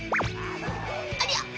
ありゃ。